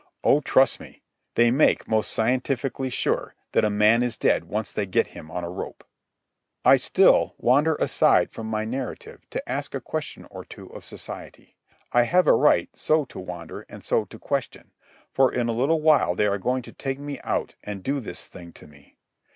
Oh, trust me, they make most scientifically sure that a man is dead once they get him on a rope. I still wander aside from my narrative to ask a question or two of society. I have a right so to wander and so to question, for in a little while they are going to take me out and do this thing to me.